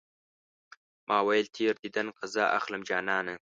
ما ويل تېر ديدن قضا اخلم جانانه